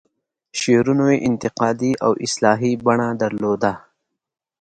شعرونو یې انتقادي او اصلاحي بڼه درلوده.